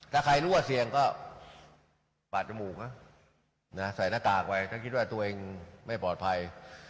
ถ้าใครรู้ว่าเสี่ยงก็ปาดจมูกนะใส่หน้ากากไว้ถ้าคิดว่าตัวเองไม่ปลอดภัย